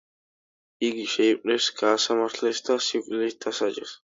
იგი შეიპყრეს, გაასამართლეს და სიკვდილით დასაჯეს.